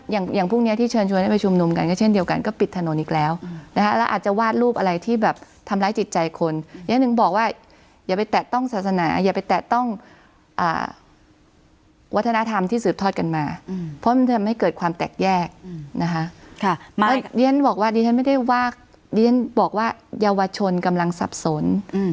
อย่างอย่างพวกเนี้ยที่เชิญชวนให้ไปชุมนุมกันก็เช่นเดียวกันก็ปิดถนนอีกแล้วนะคะแล้วอาจจะวาดรูปอะไรที่แบบทำร้ายจิตใจคนอย่างหนึ่งบอกว่าอย่าไปแตะต้องศาสนาอย่าไปแตะต้องวัฒนธรรมที่สืบทอดกันมาเพราะมันทำให้เกิดความแตกแยกนะคะเรียนบอกว่าดิฉันไม่ได้ว่าเรียนบอกว่าเยาวชนกำลังสับสน